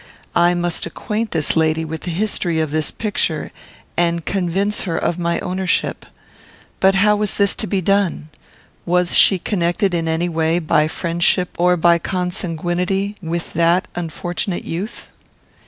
I must acquaint this lady with the history of this picture, and convince her of my ownership. But how was this to be done? Was she connected in any way, by friendship or by consanguinity, with that unfortunate youth?